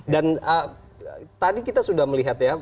dan tadi kita sudah melihat ya